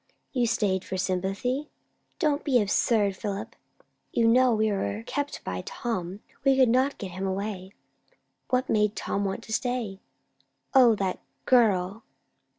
"You staid for sympathy?" "Don't be absurd, Philip! You know we were kept by Tom. We could not get him away." "What made Tom want to stay?" "O, that girl."